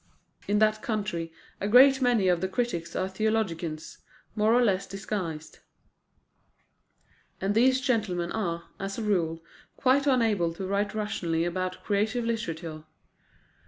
In that country a great many of the critics are theologians, more or less disguised; and these gentlemen are, as a rule, quite unable to write rationally about creative literature.